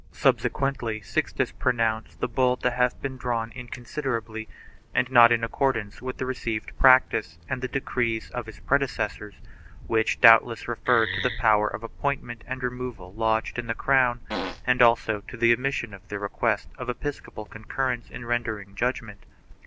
1 Subsequently Sixtus pronounced the bull to have been drawn inconsiderately and not in accordance with received practice and the decrees of his predecessors, which doubtless referred to the power of appointment and removal lodged in the crown and also to the omission of the requirement of epis ^ copal concurrence in rendering judgment.